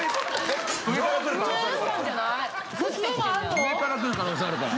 上からくる可能性あるから。